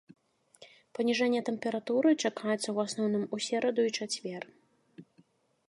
Паніжэнне тэмпературы чакаецца ў асноўным у сераду і чацвер.